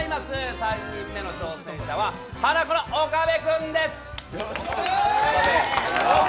３人目の挑戦者はハナコの岡部君です。